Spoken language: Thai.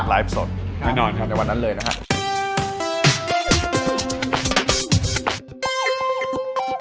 ไลฟ์สดในวันนั้นเลยนะครับ